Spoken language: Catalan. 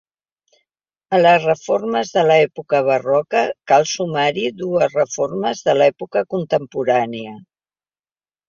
A les reformes d’època barroca cal sumar-hi dues reformes d’època contemporània.